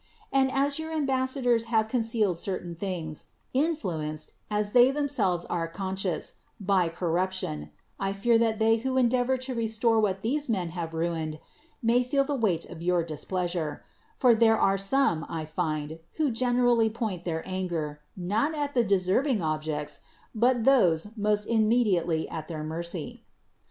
And as your ambassadors have concealed certain things, influenced (as they themselves are con scious) by corruption, I fear that they who en deavor to restore what these men have ruined may feel the weight of your displeasure; for there are some, I find, who generally point their anger, not at the deserving objects, but those most inmiediately at their mercy.